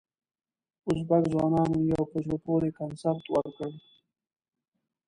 ازبک ځوانانو یو په زړه پورې کنسرت ورکړ.